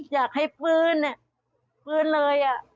อยากให้ฟื้นฟื้นเลย